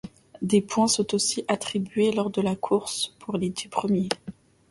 Des points sont aussi attribués lors de la course, pour les dix premiers.